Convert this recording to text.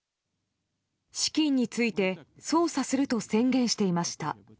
資金について捜査すると宣言していました。